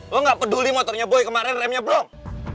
lo gak peduli motornya boy kemarin remnya blong